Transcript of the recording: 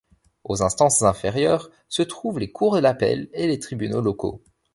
Aux instances inférieures se trouvent les cours d’appel et les tribunaux locaux.